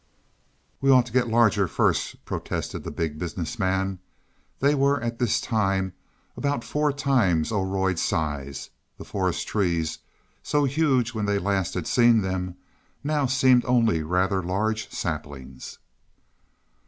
"We ought to get larger first," protested the Big Business Man. They were at this time about four times Oroid size; the forest trees, so huge when last they had seen them, now seemed only rather large saplings.